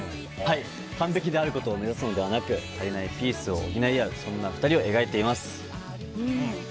完璧であることを目指すのではなく足りないピースを補い合うそんな２人を描いています。